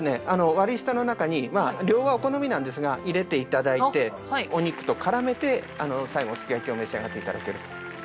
割下の中に量はお好みなんですが入れて頂いてお肉と絡めて最後すき焼きを召し上がって頂けると。